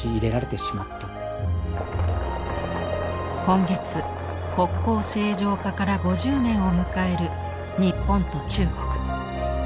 今月国交正常化から５０年を迎える日本と中国。